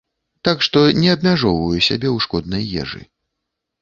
Так што не абмяжоўваю сябе ў шкоднай ежы.